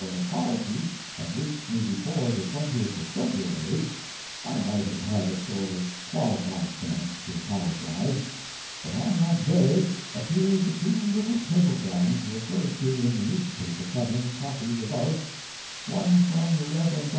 521 an apology had reached me before the 20th of February, I might have had a sort of qualified chance to apologize; but on that day appeared the two little cablegrams referred to in the newspaper cutting copied above — one from the Kev. Dr.